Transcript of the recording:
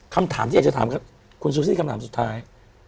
คำถามที่อยากจะถามคุณซูซี่คำถามสุดท้าย